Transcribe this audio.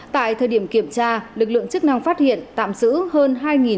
tại thời điểm kiểm tra lực lượng chức năng phát hiện tạm giữ hơn hai bốn trăm sáu mươi tám